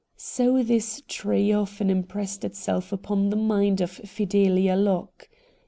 So this tree often impressed itself upon the mind of Fideha Locke.